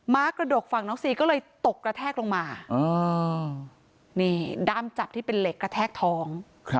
้ากระดกฝั่งน้องซีก็เลยตกกระแทกลงมานี่ด้ามจับที่เป็นเหล็กกระแทกท้อง